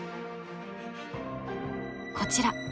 こちら。